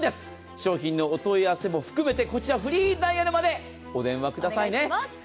商品のお問い合わせも含めてこちらフリーダイヤルまでお電話くださいね。